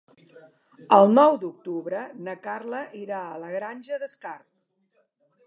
El nou d'octubre na Carla irà a la Granja d'Escarp.